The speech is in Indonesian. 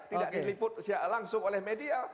tidak diliput langsung oleh media